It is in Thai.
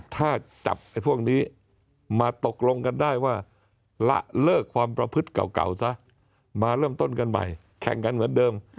ถ้าจับไอ้พวกนี้มาตกลงกันได้ว่าละเลิกความประพฤติเก่าซะมาเริ่มต้นกันใหม่แข่งกันเหมือนเดิม